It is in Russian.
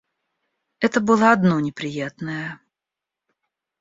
Это было одно неприятное.